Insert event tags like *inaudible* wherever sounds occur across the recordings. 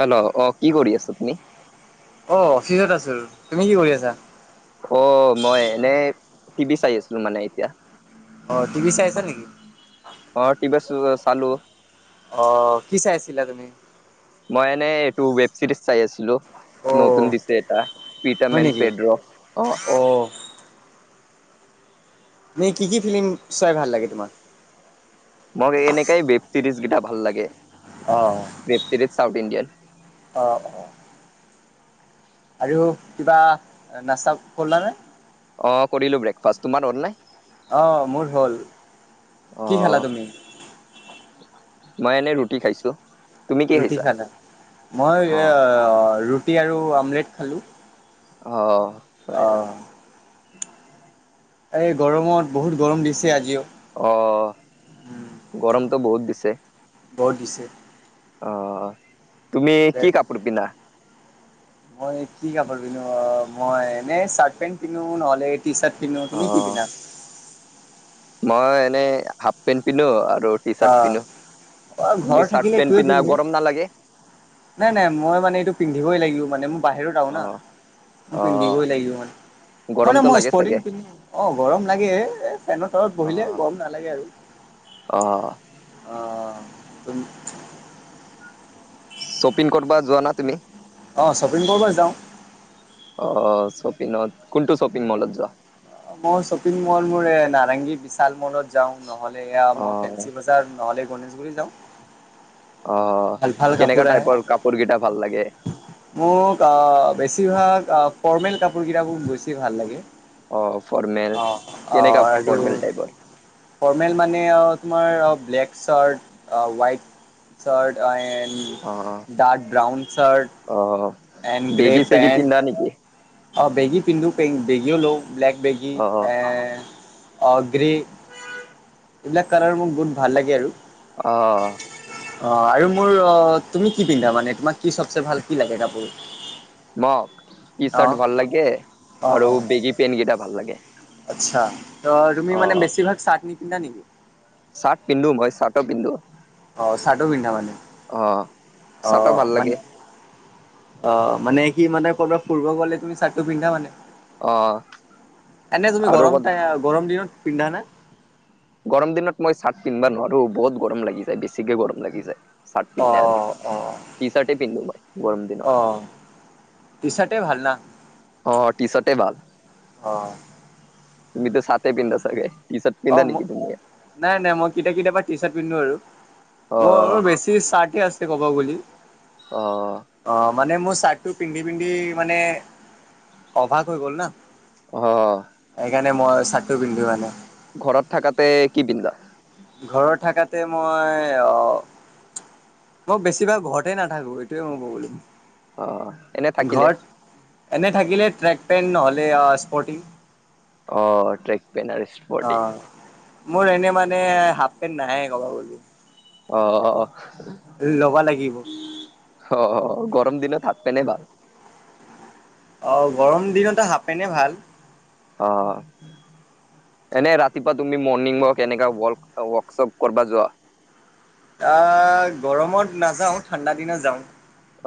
Hello, অ'কি কৰি আছা তুমি? অ', অফিচত আছো, তুমি কি কৰি আছা? অ', মই এনেই টিভি চাই আছিলো মানে এতিয়া অ' টিভি চাইছ নেকি? অ' টি ভি চালো অ', কি চাই আছিলা তুমি? তো, ৱেব ছিৰিজ চাই আছিলো অ নতুন দিছে এটা, প্ৰীতম হয় এণ্ড নেকি পেড্ৰ, অ' ইনে কি কি ফিলিম চাই ভাল লাগে তোমাৰ? মই এনেকাই ৱেব চিৰিজ গিটা ভাল লাগে। অ' ৱেব চিৰিজ চাউথ ইণ্ডিয়ান অ', অ' আৰু কিবা নাস্তা খালা নে? অ', কৰিলো ব্ৰেকফাষ্ট, তোমাৰ হল নে? অ' মোৰ হ'ল, অ কি খেলা তুমি? মই এনেই ৰুটি খাইছো। তুমি কি ৰুটি খাইছা খানা মই অ ৰুটি আৰু আমলেট খালোঁ। অ হয় হয় আহঁ এই গৰমত বহুত গৰম দিছে আজিও অ গৰমতটো বহুত দিছে বৰ দিছে অ তুমি কি কাপোৰ পিন্ধা মই কি কাপোৰ পিন্ধো অ মই এনে চাৰ্ট পেণ্ট পিন্ধো নহলে টি চাৰ্ট পিন্ধো তুমি কি অ পিন্ধ না মই এনেই হাফ পেণ্ট পিন্ধো আৰু আৰু টি চাৰ্ট অ' পিনো অ' ঘৰত তুমি চাৰ্ট থাকিলে পেন্ট এইটোৱে পিন্ধা পিন্ধো। গৰম নালাগে নাই নাই মই মানে এইটো পিন্ধিবই লাগিব মানে মই বাহিৰত আহো় না অ' অ' পিন্ধিবই লাগিব মানে মানে গৰমটো মই লাগে স্পটিন চাগে কিনি অ গৰম লাগে এ ফেনৰ তলত বহিলে অ' গৰম নালাগে আৰু অ অ তুম শ্বপিং কৰ বা যোৱা না তুমি অ শ্বপিং কৰিব যাওঁ অ শপিং নত কোনটো শ্বপিং মলত যোৱা অ মই শ্বপিং মল মোৰ এ নাৰেংগী বিশাল মলত যাও নহ'লে এয়া মই অ' ফেঞ্চি বজাৰ নহলে গণেশগুৰি যাওঁ অ' ভাল ভাল কেনেকা কাপোৰ আহে টাইপৰ কাপোৰ কেইটা ভাল লাগে? মোক বেছি বেছিভাগ ফৰ্মেল কাপোৰ কেইটাবোৰ বেছি ভাল লাগে অ' ফৰ্মেল অ অ কেনেকা আৰু ফৰ্মেল টাইপৰ? ফৰ্মেল মানে অ তোমাৰ ব্লেক চাৰ্ট হোৱাইট অ' চাৰ্ট ডাৰ্ক ব্ৰাউন চাৰ্ট অ' এণ্ড গ্ৰে বেগি চেগি পেণ্ট পিন্ধা নেকি বেগিও লওঁ ব্লেক বেগী অ' এ অ গ্ৰে এইবিলাক কালাৰ মোক বোুত ভাল লাগে আৰু অ' অ আৰু মোৰ তুমি কি পিন্ধা মানে তোমাক কি চবচে ভাল কি লাগে কাপোৰ মোক টি-চাৰ্ট অ' ভাল লাগে অ' আৰু অ' বেগী পেনকেইটা ভাল লাগে। আচ্ছা ত তুমি মানে অ' বেছিভাগ চাৰ্ট নিপিন্ধা নেকি? চাৰ্ট পিন্ধো। মই চাৰ্টো পিন্ধো। অ', চাৰ্টো পিন্ধা মানে? অ চাৰ্টো অ', ভাল মান লাগে অ', মানে কি মানে ক'ৰবাত ফুৰিব গ'লে তুমি চাৰ্টটো পিন্ধা মানে? অ এনে তুমি আৰু অকল গৰমতায়ে গৰম দিনত পিন্ধা নে? গৰম দিনত মই চাৰ্ট পিন্ধবা নোৱাৰো। বহুত গৰম লাগি যায়। বেছিকে গৰম লাগি যায়। চাৰ্ট অ পিন্ধিলে আৰু। অ টি-চাৰ্টেই পিন্ধো মই গৰম দিনত। টি-চাৰ্টেই ভাল না। অ', টি-চাৰ্টেই ভাল। অ তুমিতো চাৰ্টেই পিন্ধা চাগে? টি চাৰ্ট পিন্ধা অ', ম নেকি তুমি নাই নাই মই কেতিয়া কেতিয়াবা টি-চাৰ্ট পিন্ধো আৰু। অ মোৰ বেছি চাৰ্টে আছে ক'ব বুলি। অ', মানে মোৰ চাৰ্ট টো পিন্ধি পিন্ধি মানে অভাগ হৈ গ'ল না। অ সেইকাৰণে মই চাৰ্টটো পিন্ধো মানে। ঘৰত থাকাতে কি পিন্ধা? ঘৰত থাকাতে মই অহ মই বেছিভাগ ঘৰতেই নাথাকো। এইটোৱে মোৰ প্ৰবলেম। অ', এনে থাকিলে? এনে থাকিলে ট্ৰেক পেণ্ট নহ'লে স্পৰ্টিং। অ', ট্ৰেক পেণ্ট আৰু স্পৰ্টিং। অ'। মোৰ এনে মানে হাফ পেণ্ট নাহে ক'বা গ'লে। অ', অ', অহ। ল'বা লাগিব। হ, গৰম দিনত হাপ পেনে ভাল। অ', গৰম দিনতে হাপ পেনে ভাল। অ'। এনে ৰাতিপুৱা তুমি মৰ্ণিং ৱক এনেকা ৱলক ৱৰ্কশ্বপ কৰবা যোৱা? আহ, গৰমত নাযাওঁ ঠাণ্ডা দিনত যাওঁ।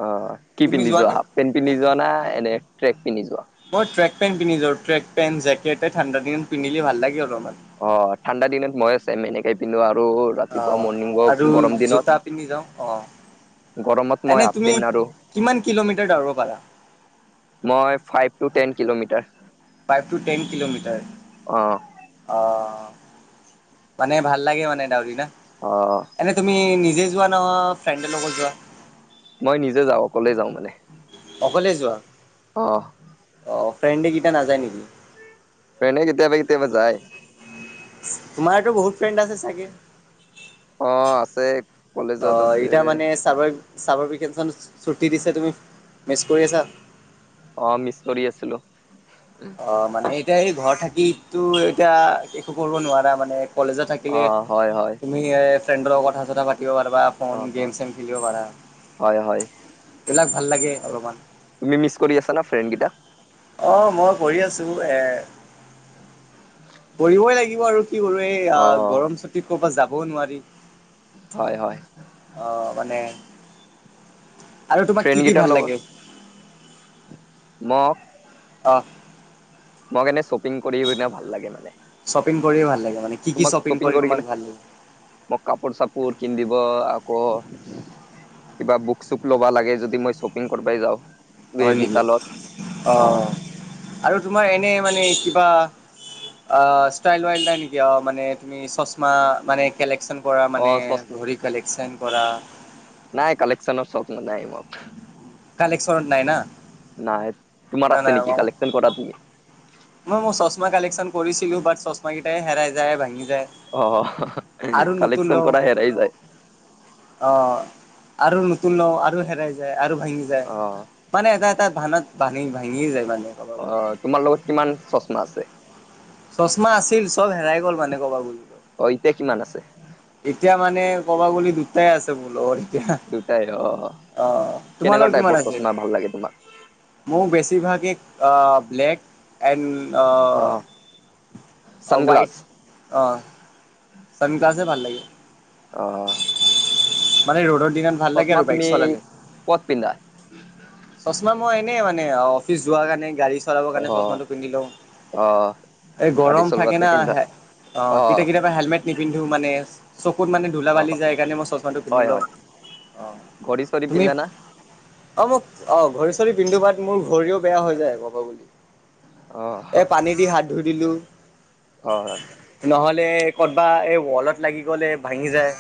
অ', কি তুমি পিন্ধি যোৱা? যোৱানে? হাফ পেণ্ট পিন্ধি যোৱা নে এনে ট্ৰেক? পিন্ধি যোৱা মই ট্ৰেক পেণ্ট পিন্ধি যাওঁ। ট্ৰেক পেন্ট, জেকটে ঠাণ্ডা দিনত পিন্ধিলে ভাল লাগে অলপমান। অ', ঠাণ্ডা দিনত মই ছেম এনেকেই পিন্ধো আৰু। আৰু ৰাতিপুৱা অ' মৰ্ণিং ৱক আৰু গৰম জোতা পিন্ধি যাওঁ অ' দিনত গৰমত এনে মই হাফ তুমি পেণ্ট আৰু, কিমান কিলোমিটাৰ দৌৰিব পাৰা? মই five to ten kilometre. Five to ten kilometre. অ অ', মানে ভাল লাগে মানে ডাউৰি ন। অ এনে তুমি নি নিজে যোৱা নহয় ফ্ৰেণ্ডৰ লগত যোৱা? মই নিজে যাওঁ, অকলে যাওঁ মানে। অকলে যোৱা? অহ। অ', ফ্ৰেণ্ডকেইটা নাযায় নেকি? ফ্ৰেণ্ডে কেতিয়াবা কেতিয়াবা যায়। তোমাৰতো বহুত ফ্ৰেণ্ড আছে চাগে। অ', আছে। কলেজত অ', আছে এতিয়া মানে চাগৈ চামভিকেচননত ছুটি দিছে তুমি মিচ কৰি আছা? অ', মিচ কৰি আছিলোঁ। অ', মানে এতিয়া এই ঘৰত থাকিটো এতিয়া একো কৰিব নোৱাৰা মানে। কলেজত থাকিলে অ হয় হয় তুমি ফ্ৰেণ্ডৰ লগত কথা-চথা পাতি খেলব পাৰবা ফোন, অ গেম-চেম খেলিব পাৰা। হয় হয় এইবিলাক ভাল লাগে অলপমান। তুমি মিছ কৰি আছা না ফ্ৰেণ্ড কেইটাক। অ, মই কৰি আছো এ, কৰিবই লাগিব আৰু। কি কৰো এই অ গৰম চুটীত কৰ'বাত যাবও নোৱাৰি। হয় হয় আহ মানে আৰু তোমাক কি ফ্ৰেণ্ড কি কেইটাৰ ভাল লাগে লগত। ম *inaudible* মই এনে শ্বপিং কৰি কিনে ভাল লাগে মানে। শপিং কৰি ভাল লাগে। তোমাক শ্বপিং কৰি তোমাক কিনে-মোক কাপোৰ-চাপোৰ কিন আকৌ কিবা বুক-চুক ল'বা লাগে যদি মই শ্বপিং কৰিবাই যাওঁ। হয় নেকি বিশালত অ, আৰু তোমাৰ এনে মানে কি আ ষ্টাইল-ব্লাইল নাই নেকি মানে তুমি চচমা মেনে কে অ চচ- কৰা নাই কালেকচনৰ শ্বক নাই ম *inaudible* কালকশনত নাই না। নাই তোমাৰ না আছে নাই নেকি? কালকশন কৰা তুমি মই মোৰ চশমা কালেকশচন কৰিছিলো বাট চশমা কেইটাই হেৰাই যায়, ভাঙি যায় অ, আৰু নতুন কালেকচন লওঁ কৰা হেৰাই যায়। অ আৰু নতুন ল আৰু হেৰাই য আৰু ভাঙি যায় অ মানে এটা এটা ভানত ভাঙি, ভাঙি যায় মানে। ক'ব গ'লে আহ তোমাৰ লগত কিমান চশমা আছে? চশমা আছিল চব হেৰাই গ'ল মানে কবা গ'লে। অহ, এতিয়া কিমান আছে? এতিয়া মানে কবা গলে দুটাই আছে মোৰ লগত। এতিয়া দুটাই অ আহ, তোমাৰ কেনেকুৱা লগত কিমান টাইপৰ আছে? চচমা ভাল লাগে তোমাক মোৰ বেছিভাগ অ ব্লেক, এণ্ড অ হোৱাইট চানগ্লাছ অহ। চান গ্লাছেই ভাল লাগে। অহ। মানে ৰ'দৰ দিনত ভাল লাগে চচমা আৰু বাইক তুমি চলালে। ক'ত পিন্ধা? চচমা মই এনেই মানে অফিচ যোৱা কাৰণে গড়ী চলাবৰ কাৰণে অহ চচমাটো পিন্ধি লওঁ, অহ এই গাড়ী গৰম থাকে চলোৱাতে না পিন্ধা অ অহ কেতিয়া কেতিয়াবা হেলমেট নিপিন্ধো মানে, চকুত মানে ধূলা অহ বালি যায় কাৰণে মই চশমাটো পিন্ধি হয় লওঁ। হয়। অহ, ঘড়ী চৰি তুমি পিন্ধা না? অ', মোক অ ঘৰি চৰি পিন্ধো বাট মোৰ ঘড়ীও বেয়া হৈ যায় ক'ব গলে। এই পানী দি হাত ধুই দিলোঁ, হয়। ক'তবা এই ৱালত লাগি গ'লে ভাঙি যায়।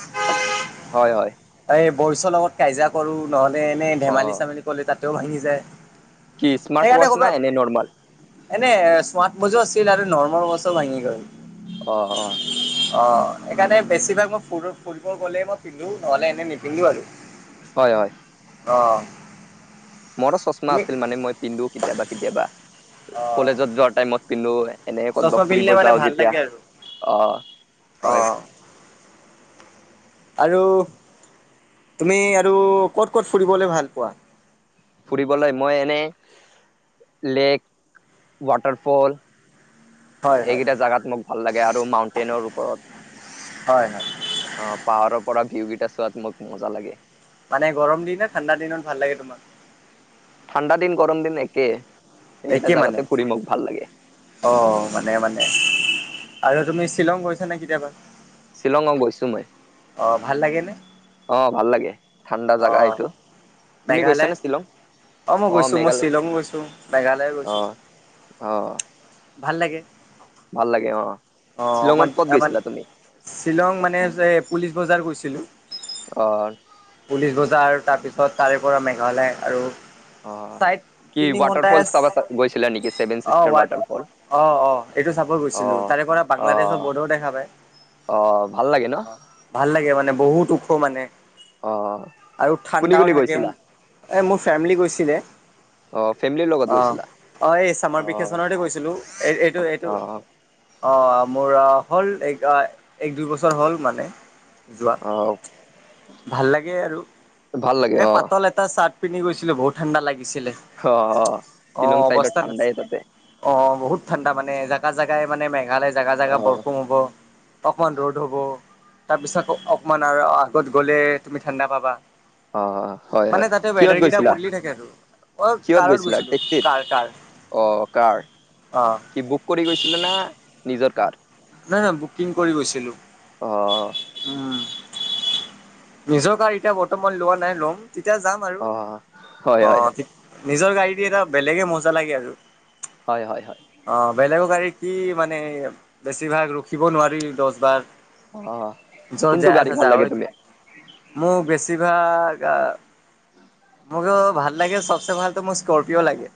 হয় হয় এই বইছৰ লগত কাজিয়া কৰো, নহলে এনে অহ। ধেমালি-চেমালি কৰিলে তাত ভাঙি যায়, কি স্মাৰ্ট সেইকাৰণে ৱাচ না ক'তবা- এনে নৰ্মেল? এনে ৱাচও আছিল আৰু নৰ্মল ৱাচ ভাঙি গ'ল। অহ, অ অহ। সেইকাৰণে বেছিভাগ মই ফ-ফুৰিব গ'লে মই পিন্ধো। নহ'লে এনে নিপিন্ধো আৰু। হয় হয়। অহ। মোৰো চশমা আছিল মানে, মই পিন্ধো কেতিয়াবা কেতিয়াবা। অ কলেজত যোৱাৰ টাইমত পিন্ধো, এনেয়ে চশমা কৰবাত পিন্ধিলে ফুৰিব মানে যাওঁ ভাল যেতিয়া, লাগে আৰু অ অ হয়। আৰু তুমি আৰু ক'ত ক'ত ফুৰিবলে ভাল পোৱা? ফুৰিবলৈ মই এনেই লেক, ৱাটাৰফল, হয় হয় এইকেইটা জেগাত মোক ভাল লাগে আৰু মাউন্টেইনৰ ওপৰত। হয় হয় অ', পাহাৰৰ পৰা ভিউ কেইটা চোৱাত মোক মজা লাগে। মানে গৰম দিন নে, ঠাণ্ডা দিনত ভাল লাগে তোমাৰ? ঠাণ্ডা দিন গৰম দিন একেই, একে এইকেইটা মানে জাগাতে ফুৰি মোক ভাল লাগে। অ, মানে মানে, আৰু তুমি শ্বিলং গৈছানে কেতিয়াবা? শ্বিলঙ অ', গৈছো মই। অ', ভাল লাগেনে? অ ভাল লাগে ঠাণ্ডা অ জাগা এইটো, তুমি মেঘালয় গৈছানে শ্বিলং? অ', মই গৈছো। মই শ্বিলং গৈছো, মেঘালয় অ গৈছো। অ ভাল লাগে। ভাল লাগে অহ। অ', অকমান আমান, শ্বিলং মানে যে পুলিচ বজাৰ গৈছিলোঁ। অহ। তাৰপিছত, তাৰে পৰা মেঘালয় আৰু অ', চাইড কি তিনি ৱাটাৰ ঘন্টা ফল চাবা গৈছিলা নেকি? ছেভেন অ চিষ্টাৰ ৱাট ৱাটাৰফল। অ', অ, এইটো চাবই গৈছিলোঁ। তাৰে পৰা অ বাংলাদেশৰ বৰ্ডাৰো দেখা পায়। ভাল লাগে ন অ', ভাল লাগে মানে বহুত ওখ মানে অ আৰু কোনে ঠাণ্ডাও কোনে থাকে। গৈছিলা এ মোৰ ফেমিলি গৈছিলে। অ', ফেমিলিৰ লগত গৈছিলা? অ', এই চামাৰ অ ভকেশচনতে গৈছিলোঁ। এই এইটো এইটো অ অ', মোৰ হ'ল এক, এক দুই বছৰ হ'ল মানে। যোৱা। অ ভাল লাগে আৰু, ভাল লাগে এই অ পাতল এটা চাৰ্ট পিনি গৈছিলোঁ, বহুত ঠাণ্ডা লাগিছিলে। অ শ্বিলং অ', চাইডত অৱস্থা ঠাণ্ডাই নাছিল, তাতে। অহ। বহুত ঠাণ্ডা মানে, জাগা জাগাই মানে মেঘালয় জেগা অ জেগা বৰষুণ হ'ব, অকণমান ৰ'দ হ'ব। তাৰপিছত অকমান আৰু আগত গ'লে, তুমি ঠাণ্ডা পাবা। অ', হয় মানে হয়, তাতে কিহত ৱেডাৰকেইটা গৈছিলা? বদলি থাকে আৰু অঁ কিহত কাৰত গৈছিলা গৈছিলোঁ টেক্সিত? কাৰ কাৰ অ', কাৰ। অ', কি বুক কৰি গৈছিলা না? নিজৰ কাৰ নাই নাই বুকিং কৰি গৈছিলোঁ। অ উম। নিজৰ কাৰ বৰ্তমান এতিয়া লোৱা নাই, লম। তেতিয়া যাম আৰু, অ হয় হয় অ', তে নিজৰ গাড়ী দি এটা বেলেগেই মজা লাগে আৰু। হয় হয় হয় অ', বেলেগৰ গাড়ীত কি মানে বেছিভাগ ৰখিব নোৱাৰি দহ বাৰ। অ য কোনটো যাই গাড়ী আছে ভাল লাগে যাৱয়েই, তুমি মোৰ বেছি বেছিভাগ অহ মোৰো ভাল লাগে, চবচে ভাল তো মোৰ স্কৰপিঅ' লাগে।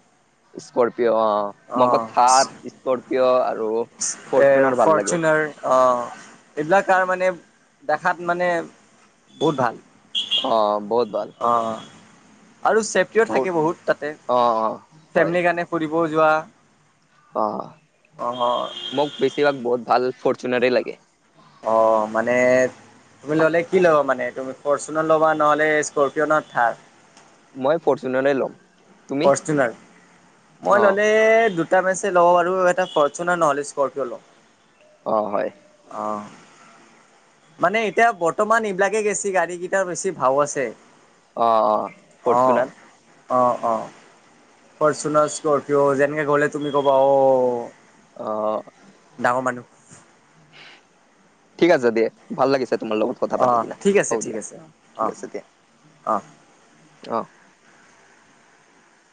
স্কৰপিঅ' অ', মোৰ আকৌ অ', থাৰ স্কৰপিঅ' আৰু এ ফৰচুনাৰ ভাল লাগে ফৰ্চুনাৰ, অহ। অ', এইবিলাক তাৰমানে দেখাত মানে বহুত ভাল। অ', বহুত ভাল অহ। আৰু চেফটিও ফৰ থাকে বহুত তাতে। অ অ হয় ফেমিলীৰ কাৰণে ফুৰিবও যোৱা অ', অ মোক বেছিভাগ বহুত ভাল ফৰচুনাৰেই লাগে। অ', মানে তুমি ল'লে কি ল'বা মানে? তুমি ফৰচুনাৰ ল'বা, নহ'লে স্কপিঅ' ন' থাৰ? মই ফৰচুনাৰেই ল'ম। তুমি ফৰচুনাৰ, মই অ ল'লে দুট টা মেচে ল'ব পাৰো, এটা ফৰ্চুনাৰ নহ'লে স্কৰপিঅ লম। অ', হয়। অ মানে এতিয়া বৰ্তমান এইবিলাকে গেছি গাড়ী কেইটাৰ বেছি ভাও আছে। অ', অ', অ ফৰ্চুনাৰ। অ', অ', ফৰ্চুনাৰ স্কৰপিঅ' যেনেকে গ'লে তুমি ক'বা অ', অ', ডাঙৰ মানুহ ঠিক আছে দিয়া ভাল লাগিছে। তোমাৰ লগত কথা অ পাতি কিনা, ঠিক আছে হ'ব ঠিক দিয়া আছে ঠিক অ আছে দিয়া। অ অ'।